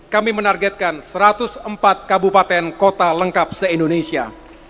kami menargetkan satu ratus empat kabupaten kota lengkap se indonesia